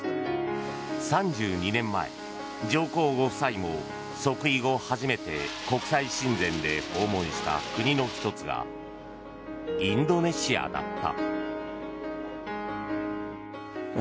３２年前、上皇ご夫妻も即位後初めて国際親善で訪問した国の１つがインドネシアだった。